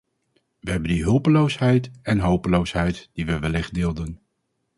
We hebben die hulpeloosheid en hopeloosheid, die we wellicht deelden.